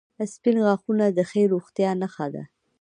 • سپین غاښونه د ښې روغتیا نښه ده.